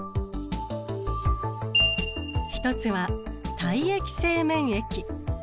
１つは体液性免疫。